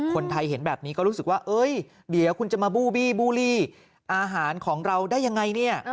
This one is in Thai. คนไทยเห็นแบบนี้ก็รู้สึกว่าเดี๋ยวคุณจะมาบูบี้บูลลี่อาหารของเราได้ยังไงเนี่ย